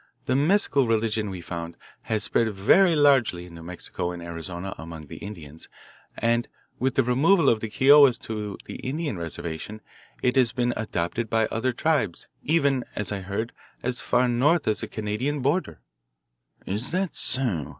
"The mescal religion, we found, has spread very largely in New Mexico and Arizona among the Indians, and with the removal of the Kiowas to the Indian reservation it has been adopted by other tribes even, I have heard, as far north as the Canadian border." "Is that so?"